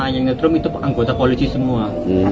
yang ngetrum itu anggota polisi semua